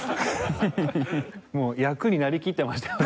もう役になりきってましたよね。